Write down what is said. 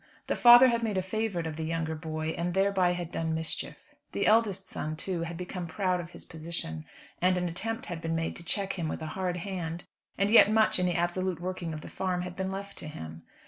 The father had made a favourite of the younger boy, and thereby had done mischief. The eldest son, too, had become proud of his position, and an attempt had been made to check him with a hard hand; and yet much in the absolute working of the farm had been left to him.